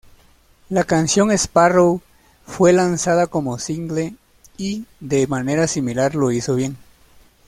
La canción "Sparrow", fue lanzada como single, y de manera similar lo hizo bien.